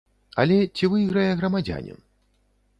Але ці выйграе грамадзянін?